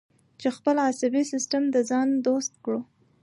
چې خپل عصبي سیستم د ځان دوست کړو.